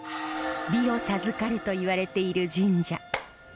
美を授かるといわれている神社。